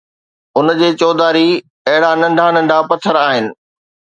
ان جي چوڌاري اهڙا ننڍا ننڍا پٿر آهن